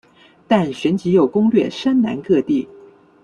但旋即又攻掠山南各地。